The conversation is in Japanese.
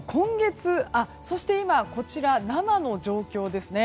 そして今、生の状況です。